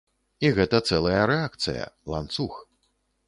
І гэта цэлая рэакцыя, ланцуг.